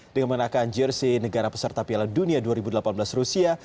dengan menakan jersey negara peserta piala dunia dua ribu delapan belas rusia